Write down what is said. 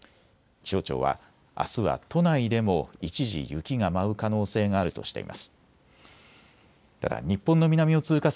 気象庁はあすは都内でも一時、雪が舞う可能性があるとしています。